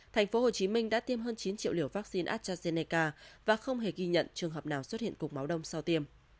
tp hcm đã tiêm hơn chín triệu liều vaccine astrazeneca và không hề ghi nhận trường hợp nào xuất hiện cục máu đông sau tiêm